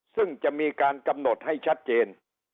ซึ่งจะมีการกำหนดให้ชัดเจน